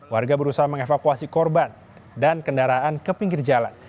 warga berusaha mengevakuasi korban dan kendaraan ke pinggir jalan